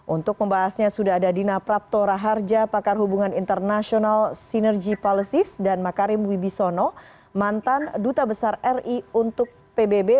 untuk membahasnya sudah ada dina prapto raharja pakar hubungan internasional sinergy policys dan makarim wibisono mantan duta besar ri untuk pbb